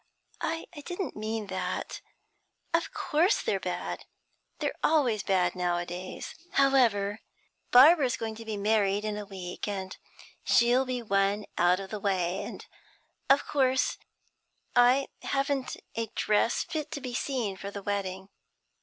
'I didn't mean that. But of course they're bad; they're always bad nowadays. However, Barbara's going to be married in a week; she'll be one out of the way. And of course I haven't a dress fit to be seen in for the wedding.'